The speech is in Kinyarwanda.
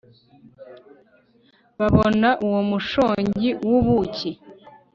babona uwo mushongi w'ubuki